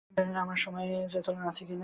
আমি জানিনা আমার সময় আছে কি না।